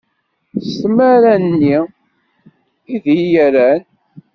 S tmara-nni i d iyi-rran.